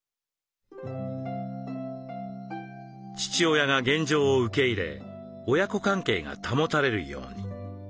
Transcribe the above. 父親が現状を受け入れ親子関係が保たれるように。